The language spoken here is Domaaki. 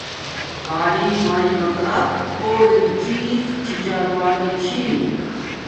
تعیلم میے مطلب اور انگ چیز چھی چال و گی چھی